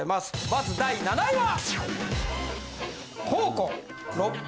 まず第７位は。